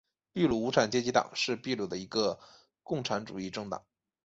秘鲁无产阶级党是秘鲁的一个共产主义政党。